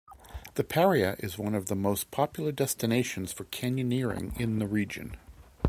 The Paria is one of the most popular destinations for canyoneering in the region.